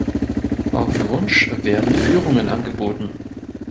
Auf Wunsch werden Führungen angeboten.